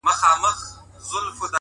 هوډ د نیمې لارې ستړیا نه مني!